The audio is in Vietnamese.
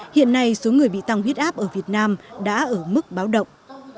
hiện nay số người bị tăng huyết áp ở việt nam đã ở mức báo động